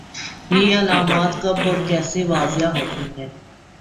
یہ علامات کب اور کیسے واضح ہوتی ہیں